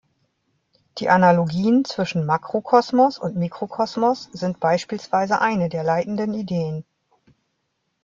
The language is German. Die Analogien zwischen Makrokosmos und Mikrokosmos sind beispielsweise eine der leitenden Ideen.